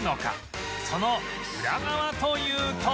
そのウラ側というと